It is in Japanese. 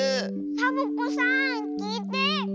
サボ子さんきいて。